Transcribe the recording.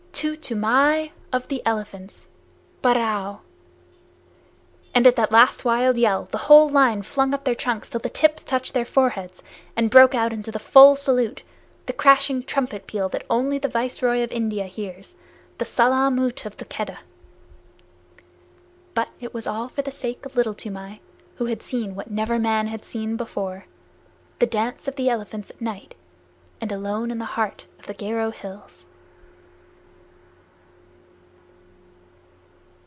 To Toomai of the Elephants. Barrao!" And at that last wild yell the whole line flung up their trunks till the tips touched their foreheads, and broke out into the full salute the crashing trumpet peal that only the Viceroy of India hears, the Salaamut of the Keddah. But it was all for the sake of Little Toomai, who had seen what never man had seen before the dance of the elephants at night and alone in the heart of the Garo hills!